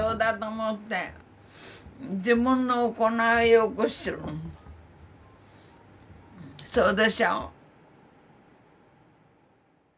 そうでしょう？